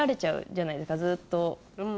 ずっと。